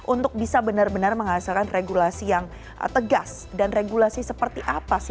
untuk bisa benar benar menghasilkan regulasi yang tegas dan regulasi seperti apa sih